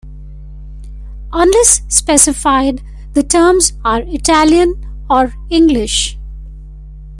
Unless specified, the terms are Italian or English.